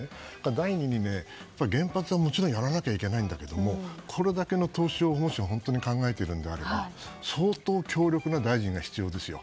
第２に、原発はもちろんやらなきゃいけないんだけどもこれだけの投資を本当に考えているのであれば相当、強力な大臣が必要ですよ。